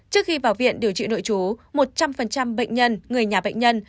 trước khi vào viện điều trị nội chú một trăm linh bệnh nhân người nhà bệnh nhân